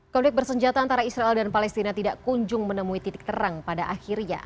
konflik bersenjata antara israel dan palestina tidak kunjung menemui titik terang pada akhirnya